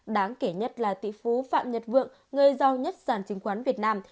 đáng kể nhất là tỷ phú phạm nhật vượng người giao nhất sản chứng khoán việt nam